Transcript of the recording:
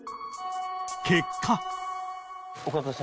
［結果］